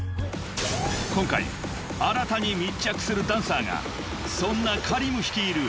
［今回新たに密着するダンサーがそんなＫａｒｉｍ率いる